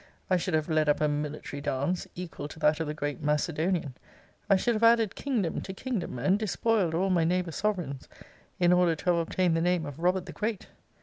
I should have led up a military dance equal to that of the great Macedonian. I should have added kingdom to kingdom, and despoiled all my neighbour sovereigns, in order to have obtained the name of Robert the Great!